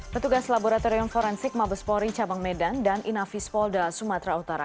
petugas laboratorium forensik mabespori cabang medan dan inafis polda sumatera utara